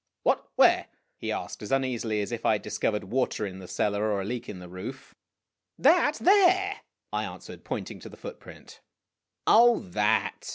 "What? Where?" he asked, as uneasily as if I had discovered water in the cellar, or a leak in the roof. "That there !" I answered, pointing to the footprint. "Oh, that!'